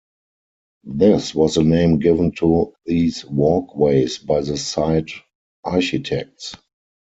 This was the name given to these walkways by the site architects.